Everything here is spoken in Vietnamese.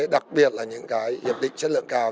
đặc biệt là những cái hiệp định chất lượng cao